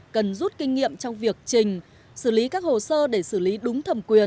cần rút kinh nghiệm trong việc trình xử lý các hồ sơ để xử lý đúng thẩm quyền